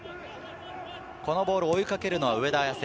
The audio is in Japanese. このボールを追いかけるのは上田綺世。